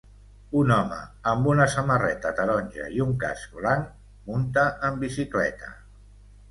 Un home amb una samarreta taronja i un casc blanc munta en bicicleta.